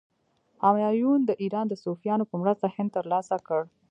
همایون د ایران د صفویانو په مرسته هند تر لاسه کړ.